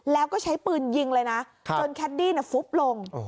แล้วก็ใช้ปืนยิงเลยนะจนแคดดี้ฟุบลง